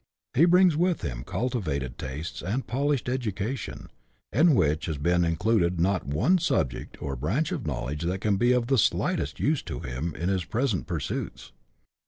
He brings with him cultivated tastes and a polished education, in which has been included not one subject or branch of knowledge that can be of the slightest use to him in his present pursuits.